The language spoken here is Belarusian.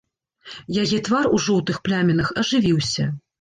Яе твар, у жоўтых плямінах, ажывіўся.